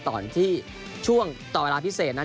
ตอนที่ช่วงต่อเวลาพิเศษนั้น